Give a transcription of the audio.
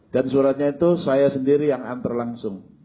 dan suratnya itu saya sendiri yang antar langsung